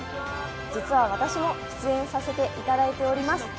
実は私も出演させていただいております。